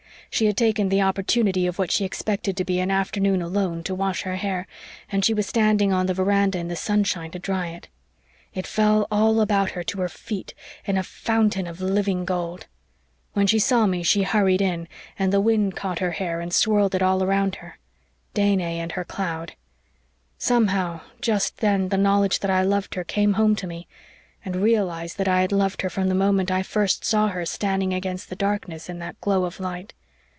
She had taken the opportunity of what she expected to be an afternoon alone to wash her hair, and she was standing on the veranda in the sunshine to dry it. It fell all about her to her feet in a fountain of living gold. When she saw me she hurried in, and the wind caught her hair and swirled it all around her Danae in her cloud. Somehow, just then the knowledge that I loved her came home to me and realised that I had loved her from the moment I first saw her standing against the darkness in that glow of light.